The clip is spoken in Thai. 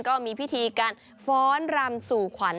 ก็มีพิธีการฟ้อนรำสู่ขวัญ